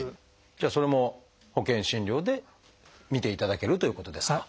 じゃあそれも保険診療で診ていただけるということですか？